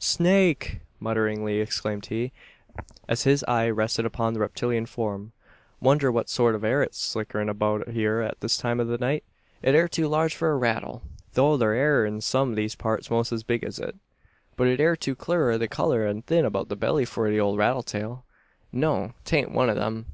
"Snake!" mutteringly exclaimed he, as his eye rested upon the reptilian form. "Wonder what sort it air, slickerin' aboout hyur at this time o' the night? It air too large for a rattle; though thur air some in these parts most as big as it. But it air too clur i' the colour, an thin about the belly, for ole rattle tail! No; 'tain't one o' them.